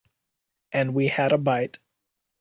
And we had a bite.